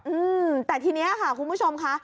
อืมแต่ทีนี้ค่ะคุณผู้ชมค่ะ